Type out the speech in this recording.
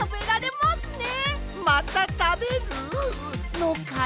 またたべる？のかね！？